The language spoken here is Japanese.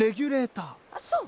そう。